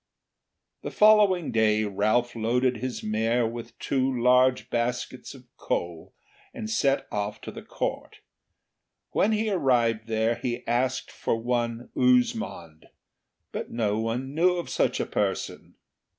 The following day Ralph loaded his mare with two large baskets of coal and set off to Court. When he arrived there he asked for one Uzmond, but no one knew of such a person.